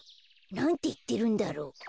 なんていってるんだろう？